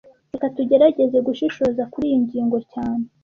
Reka tugerageze gushishoza kuriyi ngingo cyane